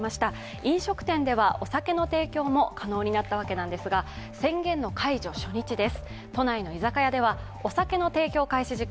飲食店ではお酒の提供も可能になったんですが、宣言解除初日です。